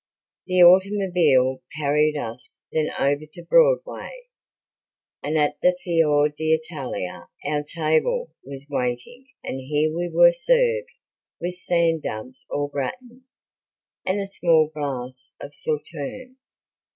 The automobile carried us then over to Broadway and at the Fior d'Italia our table was waiting and here we were served with sand dabs au gratin, and a small glass of sauterne.